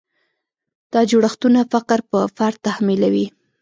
دا جوړښتونه فقر پر فرد تحمیلوي.